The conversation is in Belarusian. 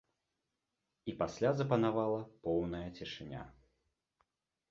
І пасля запанавала поўная цішыня.